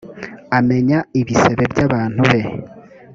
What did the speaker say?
amenya ibisebe by abantu be